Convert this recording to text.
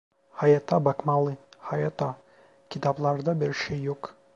Hayata bakmalı, hayata; kitaplarda bir şey yok…